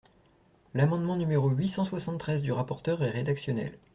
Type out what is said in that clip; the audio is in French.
L’amendement numéro huit cent soixante-treize du rapporteur est rédactionnel.